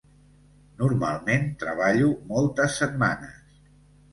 Normalment, treballo moltes setmanes.